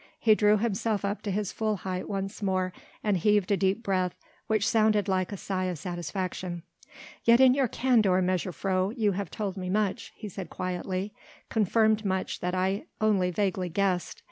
He drew himself up to his full height once more and heaved a deep breath which sounded like a sigh of satisfaction. "Yet in your candour, mejuffrouw, you have told me much," he said quietly, "confirmed much that I only vaguely guessed.